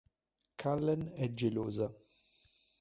Kallen è gelosa.